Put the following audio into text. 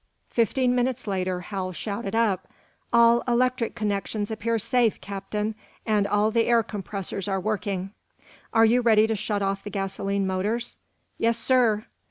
Fifteen minutes later Hal shouted up: "All electric connections appear safe, Captain. And all the air compressors are working." "Are you ready to shut off the gasoline motors?" "Yes, sir."